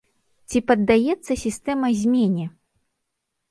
Ці паддаецца сістэма змене?